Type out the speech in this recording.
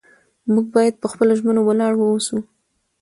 موږ باید په خپلو ژمنو ولاړ واوسو